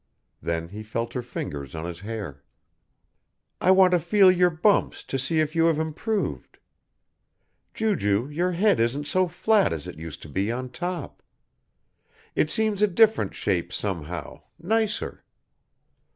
Then he felt her fingers on his hair. "I want to feel your bumps to see if you have improved Ju ju, your head isn't so flat as it used to be on top. It seems a different shape somehow, nicer.